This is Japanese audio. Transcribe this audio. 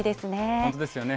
本当ですよね。